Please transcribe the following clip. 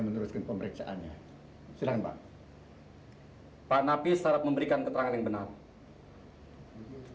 meneruskan pemeriksaannya sedang banget hai pak nafis harap memberikan keterangan yang benar hai